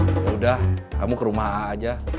yaudah kamu ke rumah a aja